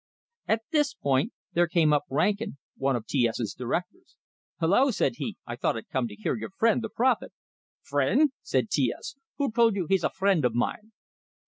At this point there came up Rankin, one of T S's directors. "Hello!" said he. "I thought I'd come to hear your friend the prophet." "Friend?" said T S. "Who told you he's a friend o' mine?"